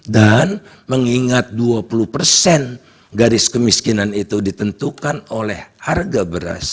dan mengingat dua puluh persen garis kemiskinan itu ditentukan oleh harga beras